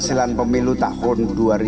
kehasilan pemilu tahun dua ribu dua puluh empat